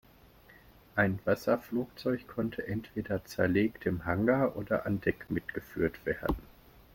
Ein Wasserflugzeug konnte entweder zerlegt im Hangar oder an Deck mitgeführt werden.